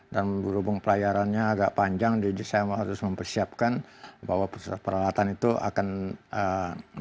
dan berhubung pelayarannya agak panjang jadi saya harus mempersiapkan bahwa peralatan itu akan bertahan